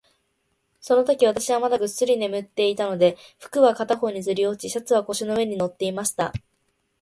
そのとき、私はまだぐっすり眠っていたので、服は片方にずり落ち、シャツは腰の上に載っていました。